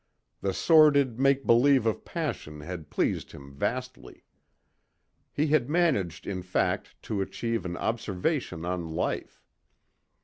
The sordid make believe of passion had pleased him vastly. He had managed in fact to achieve an observation on life.